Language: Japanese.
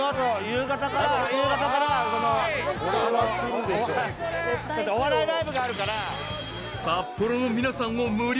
夕方からお笑いライブがあるから。